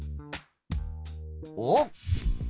おっ！